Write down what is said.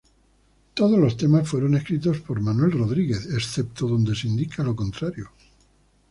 Todos los temas fueron escritos por Manuel Rodríguez, excepto donde se indica lo contrario.